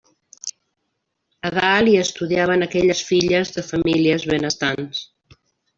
A dalt, hi estudiaven aquelles filles de famílies benestants.